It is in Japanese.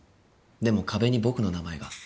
でも壁に僕の名前が。